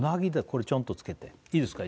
これちょんとつけていいですか？